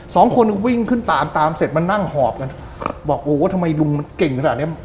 สองคนวิ่งขึ้นตามตามเสร็จมานั่งหอบกันครับบอกโอ้ทำไมลุงมันเก่งขนาดเนี้ย